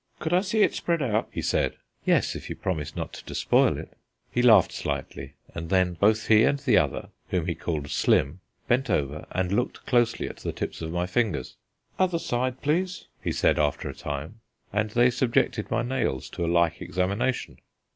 "Could I see it spread out?" he said. "Yes, if you'll promise not to spoil it." He laughed slightly, and then both he and the other whom he called Slim bent over and looked closely at the tips of my fingers. "Other side, please," he said after a time, and they subjected my nails to a like examination.